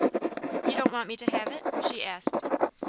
"You don't want me to have it?" she asked.